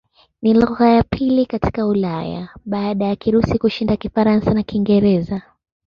Ni lugha ya pili katika Ulaya baada ya Kirusi kushinda Kifaransa na Kiingereza.